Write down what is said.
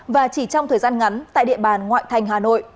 và chỉ trong thời gian ngắn tại địa bàn ngoại thành hà nội